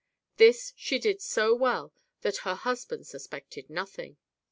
This she did so well that her husband suspected nothing.